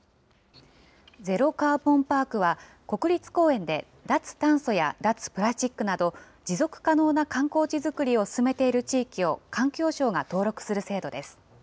ゼロカーボンパークは、国立公園で脱炭素や脱プラスチックなど、持続可能な観光地づくりを進めている地域を、環境省が登録する制度です。